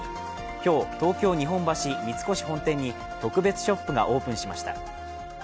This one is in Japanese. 今日、東京・日本橋三越本店に特別ショップがオープンしました。